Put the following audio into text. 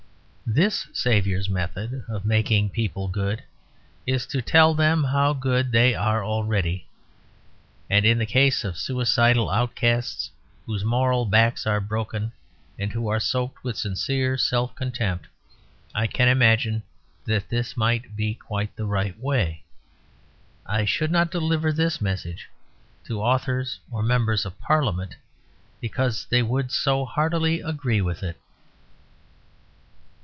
This saviour's method of making people good is to tell them how good they are already; and in the case of suicidal outcasts, whose moral backs are broken, and who are soaked with sincere self contempt, I can imagine that this might be quite the right way. I should not deliver this message to authors or members of Parliament, because they would so heartily agree with it.